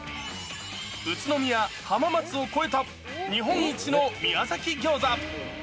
宇都宮、浜松を超えた日本一の宮崎ギョーザ。